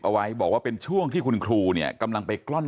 เอาไว้บอกว่าเป็นช่วงที่คุณครูเนี่ยกำลังไปกล้อน